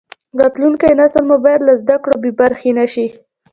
راتلونکی نسل مو باید له زده کړو بې برخې نشي.